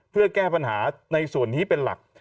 เพื่อแก้ปัญหาในส่วนนี้เป็นหลัก